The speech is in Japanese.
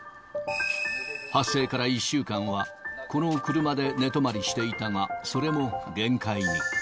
発生から１週間は、この車で寝泊まりしていたが、それも限界に。